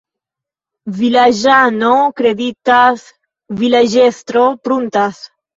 Vilaĝano kreditas, vilaĝestro pruntas.